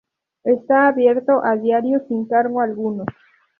Está abierto a diario sin cargo alguno.